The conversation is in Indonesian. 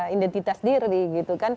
identitas diri gitu kan